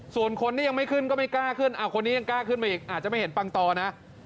ส่วนคนที่ยังไม่ขึ้นก็ไม่กล้าขึ้นคนนี้ยังกล้าขึ้นมาอีกอาจจะไม่เห็นปังตอนะ